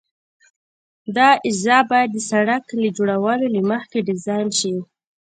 دا اجزا باید د سرک له جوړولو مخکې ډیزاین شي